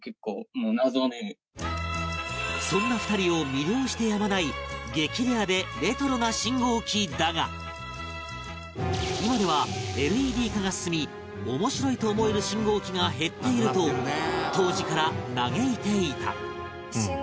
そんな２人を魅了してやまない今では ＬＥＤ 化が進み面白いと思える信号機が減っていると当時から嘆いていた